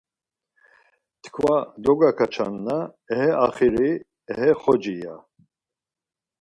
Tkva dogakaçan na ehe axiri, ehe xoci ya.